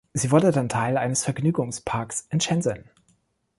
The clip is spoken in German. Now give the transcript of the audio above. Sie wurde dann Teil eines Vergnügungsparks in Shenzhen.